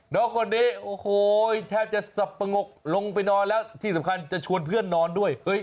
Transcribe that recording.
น้องคนนี้โอ้โหแทบจะสับปะงกลงไปนอนแล้วที่สำคัญจะชวนเพื่อนนอนด้วย